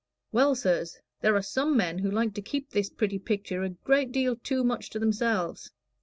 "Well, sirs, there are some men who like to keep this pretty picture a great deal too much to themselves.